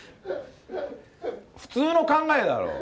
普通の考えだろ！